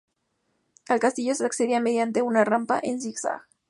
Al castillo se accedía mediante una rampa en zigzag.